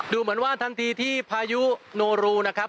ดูเหมือนว่าทันทีที่พายุโนรูนะครับ